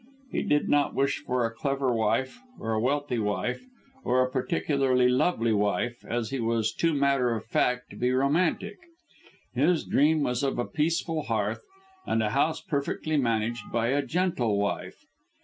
He did not wish for a clever wife, or a wealthy wife, or a particularly lovely wife, as he was too matter of fact to be romantic. His dream was of a peaceful hearth and a house perfectly managed by a gentle wife.